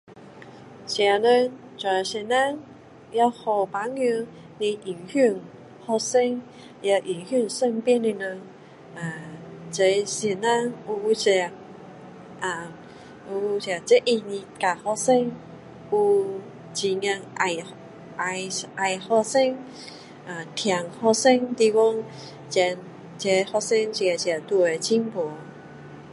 现今做老师也好榜样你影响学生也影响身边的人啊这老师有一个啊有这责任的来教学生有很有爱爱学生呃疼学生的地方这这学生一个个都会进步